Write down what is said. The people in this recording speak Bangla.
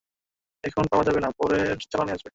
এখন পাওয়া যাবে না, পরের চালানে আসবে।